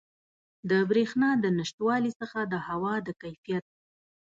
د بریښنا د نشتوالي څخه د هوا د کیفیت